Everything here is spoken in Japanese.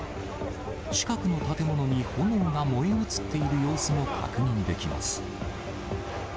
近くの建物に炎が燃え移っている様子も確認できます。